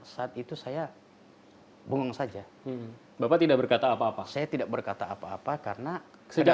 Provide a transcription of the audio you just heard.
saat itu saya bungeng saja bapak tidak berkata apa apa saya tidak berkata apa apa karena sejak